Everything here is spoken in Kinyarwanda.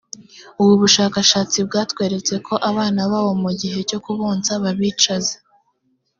ubu bushakashatsi bwatweretse ko abana babo mu gihe cyo kubonsa babicaza